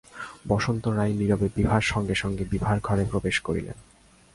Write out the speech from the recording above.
বসন্ত রায় নীরবে বিভার সঙ্গে সঙ্গে বিভার ঘরে প্রবেশ করিলেন।